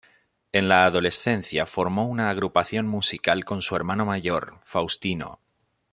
En la adolescencia formó una agrupación musical con su hermano mayor, Faustino.